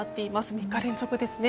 ３日連続ですね。